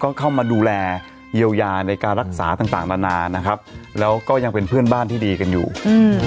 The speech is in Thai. เข้ามาดูแลเยียวยาในการรักษาต่างต่างนานานะครับแล้วก็ยังเป็นเพื่อนบ้านที่ดีกันอยู่อืม